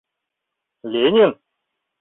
Ленин?